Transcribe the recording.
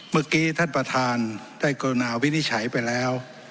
เมื่อกี้ท่านประธานได้กรุณาวินิจฉัยไปแล้ว